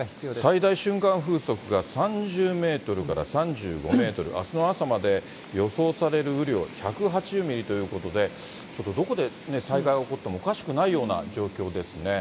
最大瞬間風速が３０メートルから３５メートル、あすの朝まで予想される雨量、１８０ミリということで、ちょっとどこで災害が起こってもおかしくないような状況ですね。